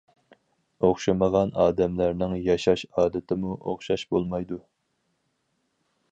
ئوخشىمىغان ئادەملەرنىڭ ياشاش ئادىتىمۇ ئوخشاش بولمايدۇ.